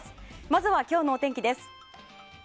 まずは今日のお天気です。